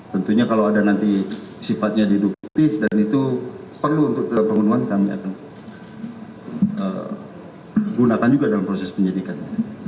tentunya kalau ada nanti sifatnya deduktif dan itu perlu untuk pemenuhan kami akan gunakan juga dalam proses penyidikan